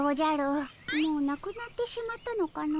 もうなくなってしまったのかの。